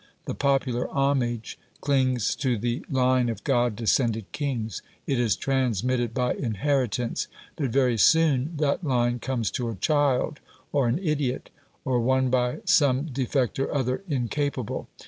The popular homage clings to the line of god descended kings; it is transmitted by inheritance. But very soon that line comes to a child or an idiot, or one by some defect or other incapable.